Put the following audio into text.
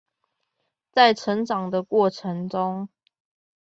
在成長的過程中